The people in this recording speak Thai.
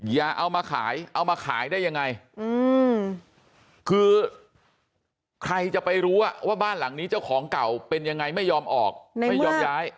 อย่าเอามาขายเอามาขายได้ยังไงคือใครจะไปรู้ว่าบ้านหลังนี้เจ้าของเก่าเป็นยังไงไม่ยอมออกไม่ยอมย้าย